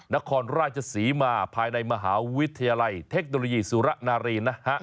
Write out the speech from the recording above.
นครราชศรีมาภายในมหาวิทยาลัยเทคโนโลยีสุระนารีนนะฮะ